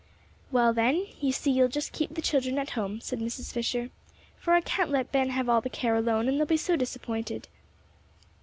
"Well, then you see you'll just keep the children at home," said Mrs. Fisher; "for I can't let Ben have all the care alone, and they'll be so disappointed."